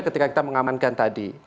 ketika kita mengamankan tadi